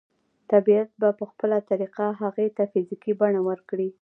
طبيعت به په خپله طريقه هغې ته فزيکي بڼه ورکړي.